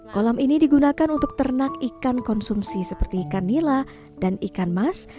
kolam ini digunakan untuk ternak ikan konsumsi seperti ikan nila dan ikan mas